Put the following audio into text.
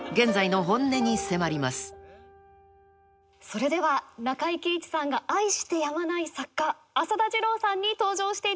それでは中井貴一さんが愛してやまない作家浅田次郎さんに登場していただきましょう。